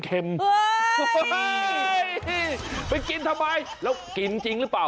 ไปกินทำไมแล้วกินจริงหรือเปล่า